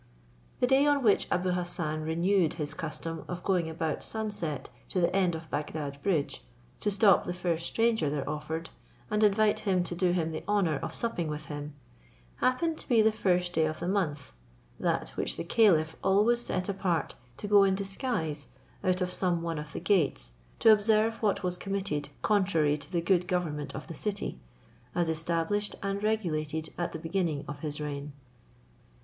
The day on which Abou Hassan renewed his custom of going about sun set to the end of Bagdad bridge to stop the first stranger thee offered, and invite him to do him the honour of supping with him, happened to be the first day of the month, that which the caliph always set apart to go in disguise out of some one of the gates to observe what was committed contrary to the good government of the city, as established and regulated at the beginning of his reign.